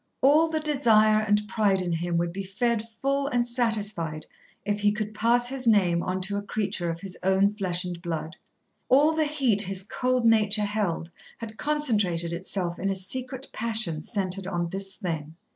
All the desire and pride in him would be fed full and satisfied if he could pass his name on to a creature of his own flesh and blood. All the heat his cold nature held had concentrated itself in a secret passion centred on this thing.